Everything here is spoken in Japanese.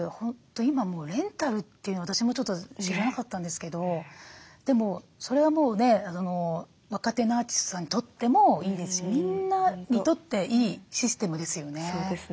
今もうレンタルというのも私もちょっと知らなかったんですけどでもそれはもうね若手のアーティストさんにとってもいいですしみんなにとっていいシステムですよね。